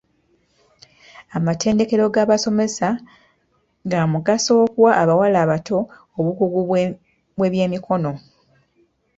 Amatendekero gabasomesa ga mugaso okuwa abawala abato obukugu bw'ebyemikono.